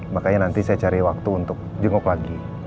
makanya nanti saya cari waktu untuk jenguk lagi